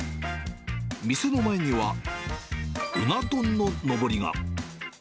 店の前には、うな丼ののぼりが。